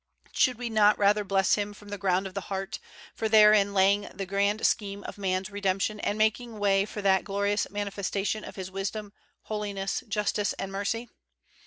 Should we not rather bless Him from the ground of the heart, for therein lay ing the grand scheme of man's redemption and making way for that glorious manifestation of His wisdom, holiness, justice, and mercy?